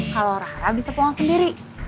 kalau rahara bisa pulang sendiri